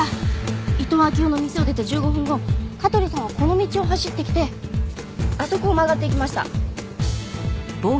伊東暁代の店を出て１５分後香取さんはこの道を走ってきてあそこを曲がっていきました。